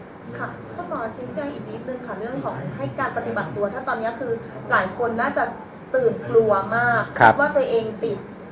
ถ้าตอนนี้คือหลายคนน่าจะตื่นกลัวมากว่าตัวเองติด